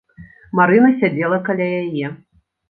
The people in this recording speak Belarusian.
Марына сядзела каля яе.